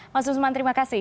mas usman terima kasih